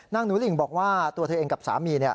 หนูหลิ่งบอกว่าตัวเธอเองกับสามี